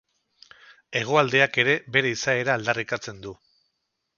Hegoaldeak ere bere izaera aldarrikatzen du.